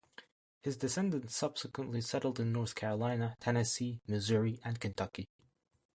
His descendants subsequently settled in North Carolina, Tennessee, Missouri and Kentucky.